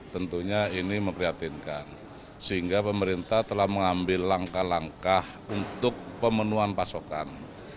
tentunya ini memprihatinkan sehingga pemerintah telah mengambil langkah langkah untuk pemenuhan pasokan